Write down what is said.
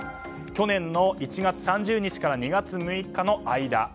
去年の１月３０日から２月６日の間。